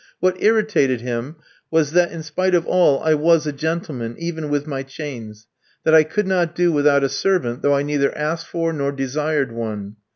What irritated him was that, in spite of all, I was a gentleman, even with my chains; that I could not do without a servant, though I neither asked for nor desired one.